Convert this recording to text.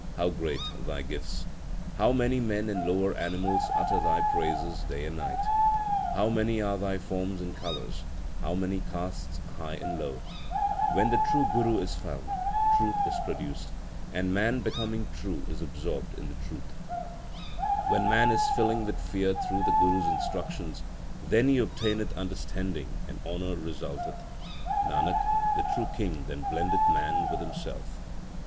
how great Thy gifts ! How many men and lower animals utter Thy praises day and night ! How many are Thy forms and colours ! how many castes high and low ! When the true Guru is found, truth is produced, and man becoming true is absorbed in the truth. When man is filled with fear through the Guru s instruc tions, then he obtaineth understanding, and honour re sulteth. Nanak, the true King then blendeth man with Himself. 2 1 An account of Farid will be found in the sixth volume of this work.